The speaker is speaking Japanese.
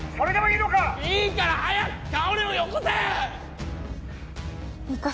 いいから早く香織をよこせ！